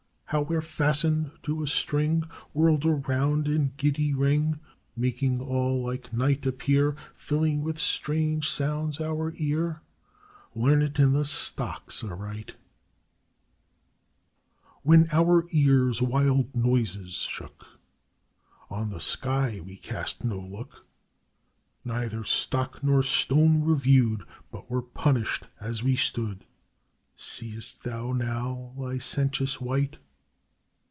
How we're fastened to a string, Whirled around in giddy ring, Making all like night appear, Filling with strange sounds our ear? Learn it in the stocks aright! When our ears wild noises shook, On the sky we cast no look, Neither stock nor stone reviewed, But were punished as we stood. Seest thou now, licentious wight?